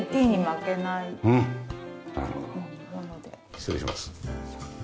失礼します。